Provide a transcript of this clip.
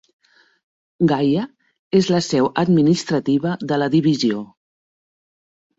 Gaya és la seu administrativa de la divisió.